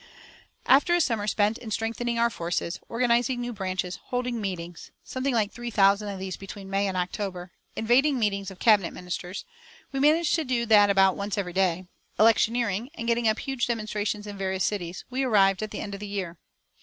After a summer spent in strengthening our forces, organising new branches, holding meetings something like three thousand of these between May and October invading meetings of Cabinet Ministers we managed to do that about once every day electioneering, and getting up huge demonstrations in various cities, we arrived at the end of the year.